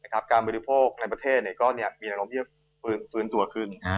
การบริโภคในประเทศก็มีอนาคตเพิ่มขึ้นตัวขึ้น